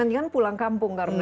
jangan jangan pulang kampung karena